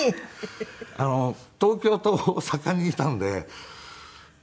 東京と大阪にいたので。